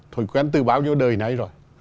thổi quen từ bao nhiêu đời này rồi